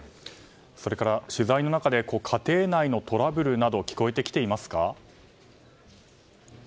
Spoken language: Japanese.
それから、取材の中で家庭内のトラブルなど聞こえてきていますか？